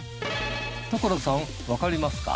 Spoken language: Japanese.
所さんわかりますか？